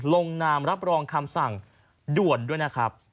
ลงนามรับรองคำสั่งด่วนด้วยนะครับ